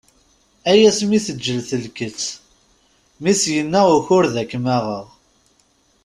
Ay asmi teǧǧel telket, mi s-yenna ukured ad kem-aɣeɣ!